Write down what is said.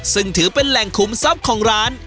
ซึ่งถือเป็นแหล่งคุมซับของร้าน